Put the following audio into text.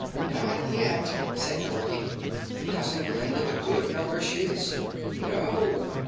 "Not yet," said Dorothy. "Doesn't Glinda the Good know where she is?" "No.